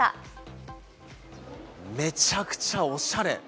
めちゃくちゃおしゃれ！